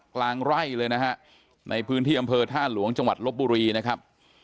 กลางไร่เลยนะฮะในพื้นที่อำเภอท่าหลวงจังหวัดลบบุรีนะครับ